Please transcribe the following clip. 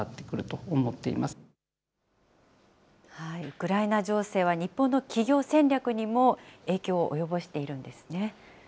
ウクライナ情勢は、日本の企業戦略にも影響を及ぼしているんですね。